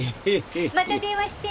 また電話して」。